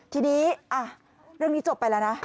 ทีนี้เรื่องนี้จบไปแล้วนะ